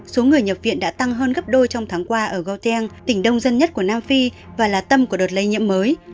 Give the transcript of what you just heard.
số người nhập viện đã tăng hơn gấp đôi trong tháng qua ở gotiang tỉnh đông dân nhất của nam phi và là tâm của đợt lây nhiễm mới